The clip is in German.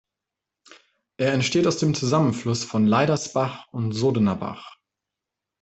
Er entsteht aus dem Zusammenfluss von "Leidersbach" und "Sodener Bach".